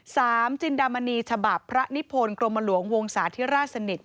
สามจินดามณีฉบับพระนิพนธ์กรมหลวงวงศาธิราชสนิท